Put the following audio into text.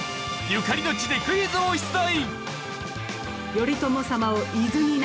ゆかりの地でクイズを出題！